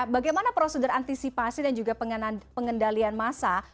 bagaimana prosedur antisipasi dan juga pengendalian massa